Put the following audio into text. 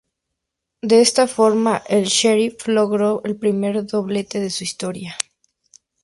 De esta forma, el Sheriff logró el primer doblete de su historia.